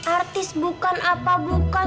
artis bukan apa bukan